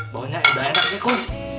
baunya enak enak sih kum